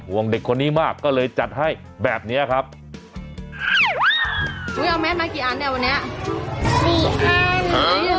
ห่วงเด็กคนนี้มากก็เลยจัดให้แบบเนี้ยครับอุ้ยเอาแม่มากี่อันเนี้ยวันนี้สี่อัน